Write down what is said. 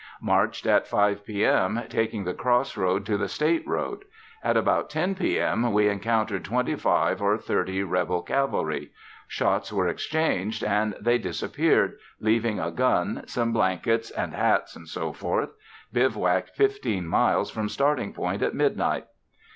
Marched at 5:00 P.M., taking the cross road to the State Road. At about 10.00 P.M. we encountered twenty five or thirty Rebel cavalry; shots were exchanged and they disappeared, leaving a gun, some blankets, and hats, &c. bivouacked fifteen miles from starting point at midnight.